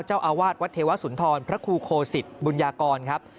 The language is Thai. เจ้าอาวาสวัดเทวสุนทรพระครูโคสิตบุญญากรครับ